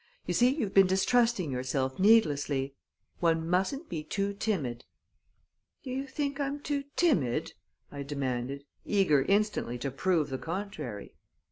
You see, you've been distrusting yourself needlessly. One mustn't be too timid!" "Do you think I'm too timid?" I demanded, eager instantly to prove the contrary.